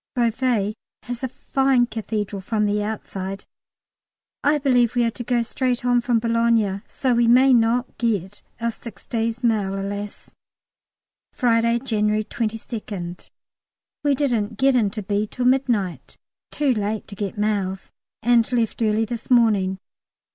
Beauvais has a fine Cathedral from the outside. I believe we are to go straight on from Boulogne, so we may not get our six days' mail, alas! Friday, January 22nd. We didn't get in to B. till midnight, too late to get mails, and left early this morning.